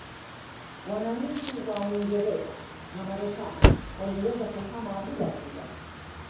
Wananchi wa Uingereza na Marekani waliweza kuhama bila shida